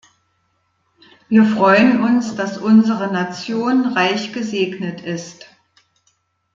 Wir freuen uns, dass unsere Nation reich gesegnet ist.